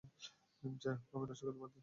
যাইহোক আমি রসিকতা বাদ দিই।